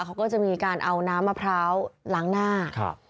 เขาก็จะมีการเอาน้ำมะพร้าวล้างหน้าครับ